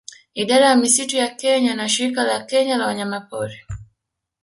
Idara ya misitu ya Kenya na Shirika la Kenya la Wanyamapori